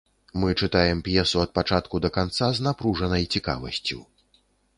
Мы чытаем п'есу ад пачатку да канца з напружанай цікавасцю.